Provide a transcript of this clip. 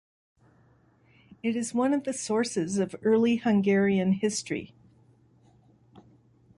It is one of the sources of early Hungarian history.